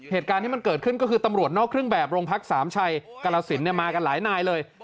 เหตุการณ์ที่มันเกิดขึ้นก็คือตำรวจนอกเครื่องแบบโรงพักสามชัยกรสินมากันหลายนายเลย